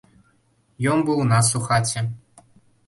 Ён быў у нас у хаце.